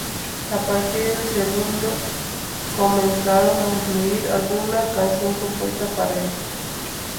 A partir del segundo, comenzaron a incluir alguna canción compuesta para ellos.